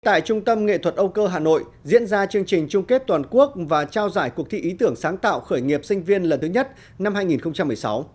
tại trung tâm nghệ thuật âu cơ hà nội diễn ra chương trình trung kết toàn quốc và trao giải cuộc thi ý tưởng sáng tạo khởi nghiệp sinh viên lần thứ nhất năm hai nghìn một mươi sáu